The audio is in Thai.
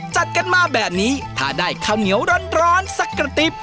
จัดกันมาแบบนี้ถ้าได้ข้าวเหนียวร้อนสักกระติ๊บ